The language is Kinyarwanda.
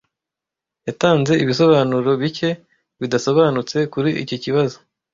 Yatanze ibisobanuro bike bidasobanutse kuri iki kibazo.